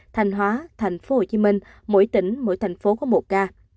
thanh hóa tp hcm mỗi tỉnh mỗi thành phố có một ca